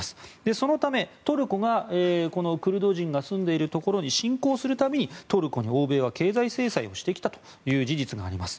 そのためトルコがこのクルド人が住んでいるところに侵攻する度にトルコに欧米は経済制裁をしてきた事実があります。